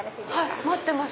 待ってます。